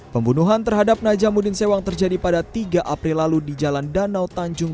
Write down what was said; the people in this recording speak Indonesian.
pembunuhan terhadap najamuddin sewang terjadi pada tiga april lalu di jalan danau tanjung